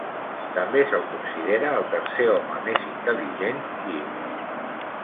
També se'l considera el tercer home més intel·ligent viu.